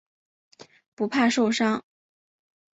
不怕受伤。